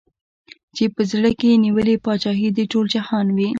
چي په زړه کي یې نیولې پاچهي د ټول جهان وي